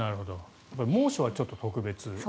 猛暑はちょっと特別。